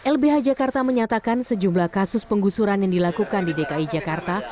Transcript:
lbh jakarta menyatakan sejumlah kasus penggusuran yang dilakukan di dki jakarta